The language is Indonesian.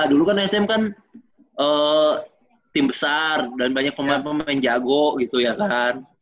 dulu kan sm kan tim besar dan banyak pemain pemain jago gitu ya kan